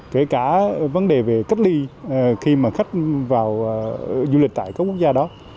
kể cả vấn đề về cách ly khi mà khách vào du lịch tại các quốc gia đó